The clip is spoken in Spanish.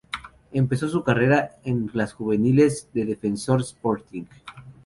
Empezó su carrera en las juveniles de Defensor Sporting.